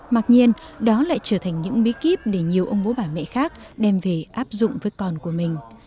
mặc nhiên đó lại trở thành những bí kíp để nhiều ông bố bà mẹ khác đem về áp dụng với con của mình